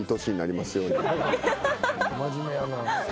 真面目やなぁ。